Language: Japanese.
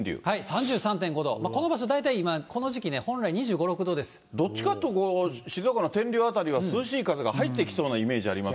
３３．５度、この場所、大体この時期ね、本来２５、どっちかっていうと、静岡のてんりゅう辺りは涼しい風が入ってきそうなイメージありま